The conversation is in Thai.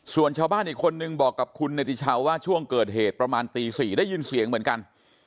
ส่วนชาวบ้านอีกคนนึงบอกกับคุณเนติชาวว่าช่วงเกิดเหตุประมาณตี๔ได้ยินเสียงเหมือนกัน